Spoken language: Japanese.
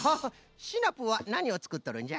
シナプーはなにをつくっとるんじゃ？